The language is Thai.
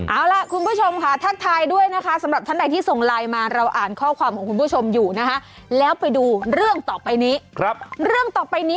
เอาล่ะคุณผู้ชมค่ะทักทายด้วยนะคะสำหรับท่านใดที่ส่งไลน์มาเราอ่านข้อความของคุณผู้ชมอยู่นะคะแล้วไปดูเรื่องต่อไปนี้เรื่องต่อไปนี้